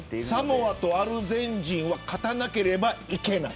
サモアとアルゼンチンは勝たなければいけない。